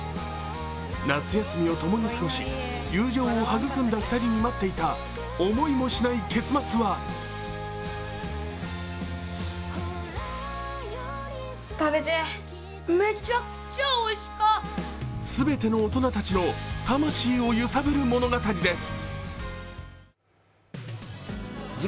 夏休みを共に過ごし、友情を育んだ２人に待っていた思いもしない結末は全ての大人たちの魂を揺さぶる物語です。